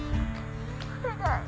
お願い。